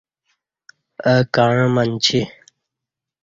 اہ کعں منچ ی